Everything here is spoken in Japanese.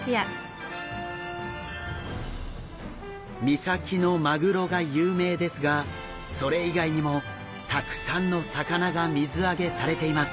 三崎のマグロが有名ですがそれ以外にもたくさんの魚が水揚げされています。